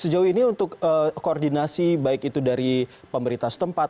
sejauh ini untuk koordinasi baik itu dari pemerintah setempat